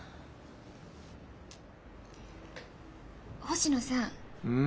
星野さん。